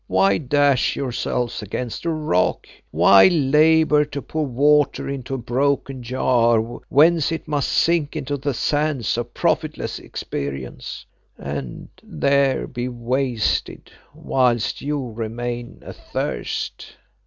Why dash yourselves against a rock? Why labour to pour water into a broken jar whence it must sink into the sands of profitless experience, and there be wasted, whilst you remain athirst?"